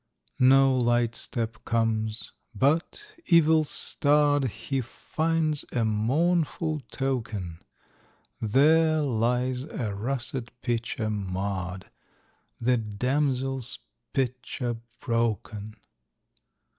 No light step comes, but, evil starr'd, He finds a mournful token,— There lies a Russet Pitcher marr'd, The damsel's pitcher broken!